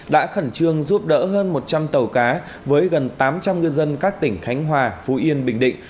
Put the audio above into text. đã khẩn trương giúp đỡ hơn một trăm linh tàu cá với gần tám trăm linh ngư dân các tỉnh khánh hòa phú yên bình định